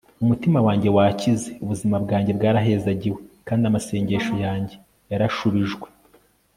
umutima wanjye wakize, ubuzima bwanjye bwarahezagiwe kandi amasengesho yanjye yarashubijwe